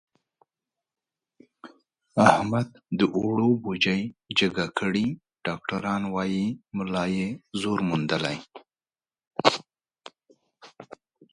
احمد د اوړو بوجۍ جګه کړې، ډاکټران وایي ملا یې زور موندلی.